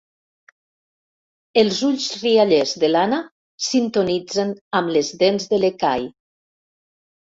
Els ulls riallers de l'Anna sintonitzen amb les dents de l'Ekahi.